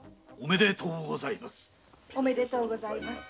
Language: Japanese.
おめでとうございます。